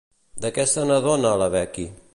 De què se n'adona la Becky?